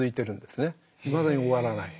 いまだに終わらない。